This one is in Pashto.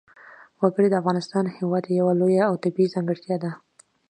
وګړي د افغانستان هېواد یوه لویه او طبیعي ځانګړتیا ده.